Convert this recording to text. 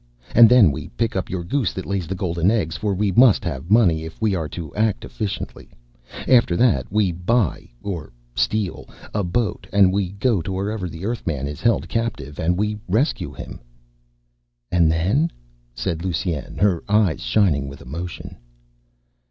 And then we pick up your goose that lays the golden eggs, for we must have money if we are to act efficiently. After that, we buy or steal a boat and we go to wherever the Earthman is held captive. And we rescue him." "And then?" said Lusine, her eyes shining with emotion.